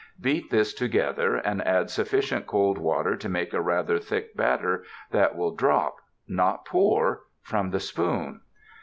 Beat this together. and add sufficient cold water to make a rather thick batter that will drop — not pour — from the spoon.